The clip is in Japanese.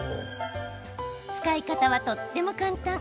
使い方はとっても簡単。